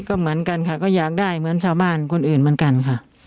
ก็เหมือนกันค่ะก็อยากได้เหมือนชาวบ้านคนอื่นเหมือนกันค่ะ